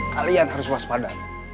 kalian harus waspada